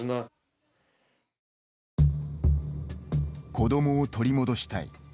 「子どもを取り戻したい」